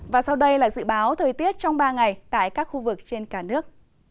và sau đây là dự báo thời tiết trong ba ngày tại các khu vực trên cả nước